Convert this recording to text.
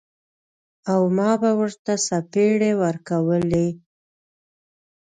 او ما به ورته څپېړې ورکولې.